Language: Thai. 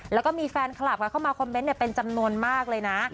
แล้วก็มีแฟนคลับเข้ามาคอมเมนต์เป็นจำนวนมากเลยนะ